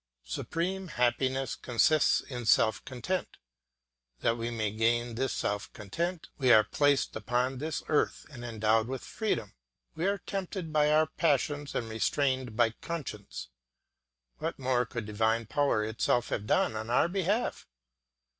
Supreme happiness consists in self content; that we may gain this self content we are placed upon this earth and endowed with freedom, we are tempted by our passions and restrained by conscience. What more could divine power itself have done on our behalf?